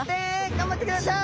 頑張ってください！